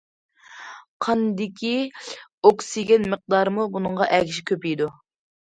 قاندىكى ئوكسىگېن مىقدارىمۇ بۇنىڭغا ئەگىشىپ كۆپىيىدۇ.